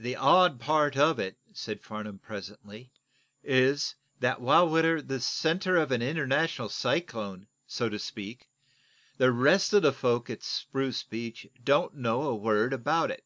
"The odd part of it," said Farnum, presently, "is, that while we're the center of an international cyclone, so to speak, the rest of the folks at Spruce Beach don't know a word about it.